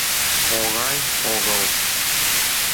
— Оҥай огыл...